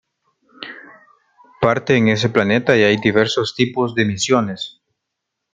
Parte en ese planeta y hay diversos tipos de misiones.